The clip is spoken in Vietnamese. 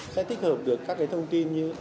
sẽ tích hợp được các cái thông tin như